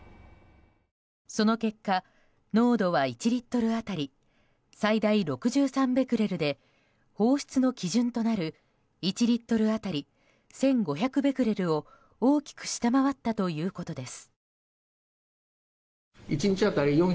その結果、濃度は１リットル当たり最大６３ベクレルで放出の基準となる１リットル当たり１５００ベクレルを大きく下回ったということです。